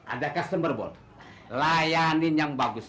ada pelanggan bol layanin yang bagus